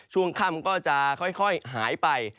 ช่วงค่ำก็จะค่อยหายไป